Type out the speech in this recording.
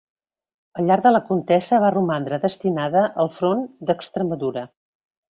Al llarg de la contesa va romandre destinada al front d'Extremadura.